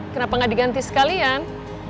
kenapa gak diganti sekalian